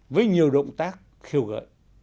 với nhiều động tác khiêu gỡ